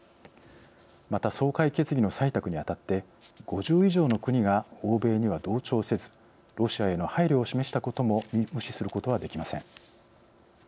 また総会決議の採択にあたって５０以上の国が欧米には同調せずロシアへの配慮を示したことも無視することはできません。